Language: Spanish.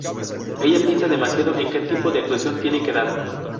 Ella piensa demasiado en que tipo de actuación tiene que dar.